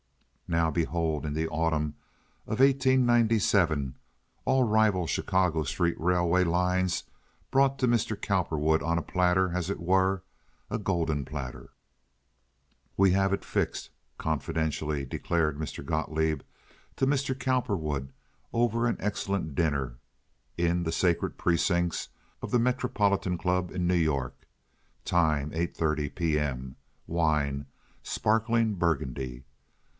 Now behold in the autumn of 1897 all rival Chicago street railway lines brought to Mr. Cowperwood on a platter, as it were—a golden platter. "Ve haff it fixed," confidentially declared Mr. Gotloeb to Mr. Cowperwood, over an excellent dinner in the sacred precincts of the Metropolitan Club in New York. Time, 8.30 P.M. Wine—sparkling burgundy.